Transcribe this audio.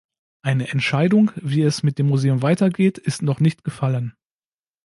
Eine Entscheidung, wie es mit dem Museum weitergeht, ist noch nicht gefallen.